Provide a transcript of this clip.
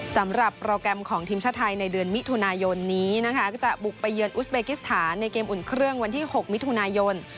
สำหรับโปรแกรมของทีมชาติไทยในเดือนมิถุนายนนี้นะคะก็จะบุกไปเยือนอุสเบกิสถานในเกมอุ่นเครื่องวันที่๖มิถุนายน